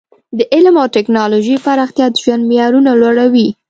د علم او ټکنالوژۍ پراختیا د ژوند معیارونه لوړوي.